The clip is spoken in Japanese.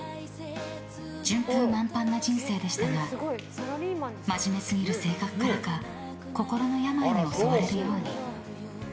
順風満帆な人生でしたが真面目すぎる性格からか心の病に襲われるように。